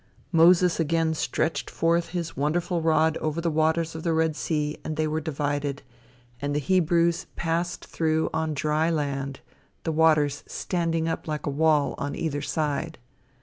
Moses again stretched forth his wonderful rod over the waters of the Red Sea, and they were divided, and the Hebrews passed through on dry land, the waters standing up like a wall on either side.